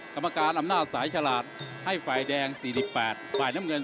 กรรมการอำนาจสายฉลาดให้ฝ่ายแดง๔๘ฝ่ายน้ำเงิน